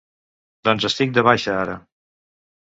Doncs estic de baixa ara.